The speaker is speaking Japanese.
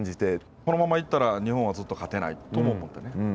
このままいったら日本はずっと勝てないとも思ったね。